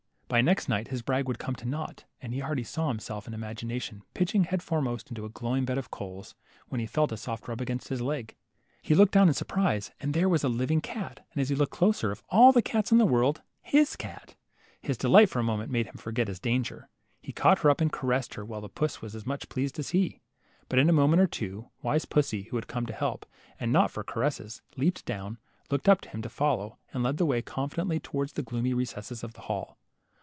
By next night his brag would come to naught, and he already saw himself in imagi nation, pitching head foremost into a glowing bed of coals, when he felt a soft rub agamst his leg. He looked down in surprise, and there was a living cat, and as he looked closer, of all cats in the world, cat ! His delight for a moment made him forget his danger. He caught her up and caressed her, while puss was as much pleased as he. But in a moment or two, wise pussy, who had come to help, and not for caresses, leaped down, looked up for him to follow, and led the way confidently towards the gloomy recesses of the hall.